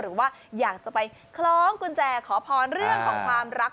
หรือว่าอยากจะไปคล้องกุญแจขอพรเรื่องของความรัก